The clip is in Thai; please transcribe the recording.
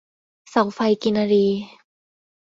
เสาไฟกินรี